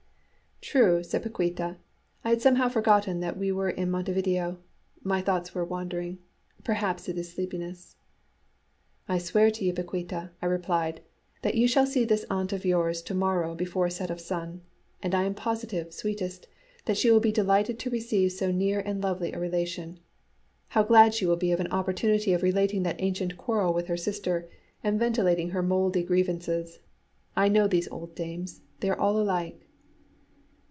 "True," said Paquíta; "I had somehow forgotten that we were in Montevideo. My thoughts were wandering perhaps it is sleepiness." "I swear to you, Paquíta," I replied, "that you shall see this aunt of yours to morrow before set of sun; and I am positive, sweetest, that she will be delighted to receive so near and lovely a relation. How glad she will be of an opportunity of relating that ancient quarrel with her sister and ventilating her mouldy grievances! I know these old dames they are all alike."